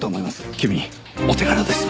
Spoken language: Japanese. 君お手柄です。